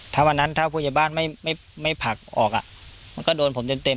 ถ้าวันนั้นถ้าภูเยี่ยบบ้านไม่ไม่ไม่ผลักออกอ่ะมันก็โดนผมเต็มเต็ม